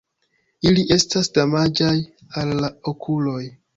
Ili estas damaĝaj al la okuloj.